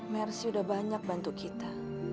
mercy udah banyak bantu kita